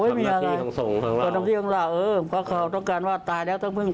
ใครแย่งไม่ได้ของความชั่วความดีนะทำด้วยตนเอง